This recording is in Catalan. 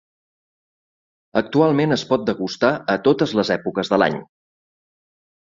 Actualment es pot degustar a totes les èpoques de l'any.